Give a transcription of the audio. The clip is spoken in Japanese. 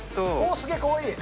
すげー、かわいい。